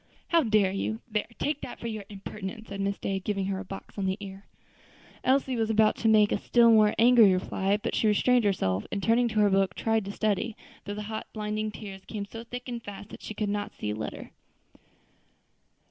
"How dare you? there! take that for your impertinence," said Miss Day, giving her a box on the ear. Elsie was about to make a still more angry reply; but she restrained herself, and turning to her book, tried to study, though the hot, blinding tears came so thick and fast that she could not see a letter.